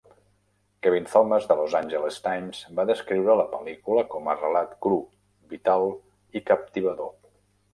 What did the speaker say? Kevin Thomas de "Los Angeles Times" va descriure la pel·lícula com a relat "cru, vital i captivador".